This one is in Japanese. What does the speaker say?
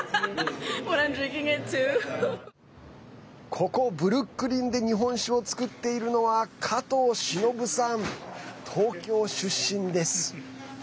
ここブルックリンで日本酒を造っているのは加藤忍さん、東京出身です。